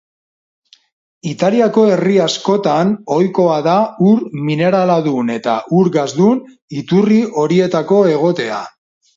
Italiako herri askotan ohikoa da ur mineraladun eta ur gasdun iturri horietako egotea.